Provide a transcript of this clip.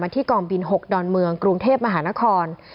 ที่กล๖ดอนเมืองกรูงเทพัฒนธรรมภ์